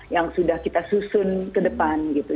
yang sudah kita susun ke depan gitu